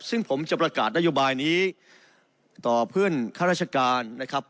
ซึ่งผมจะประกาศนโยบายนี้ต่อเพื่อนข้าราชการนะครับ